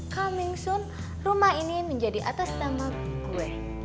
coming soon rumah ini menjadi atas nama gue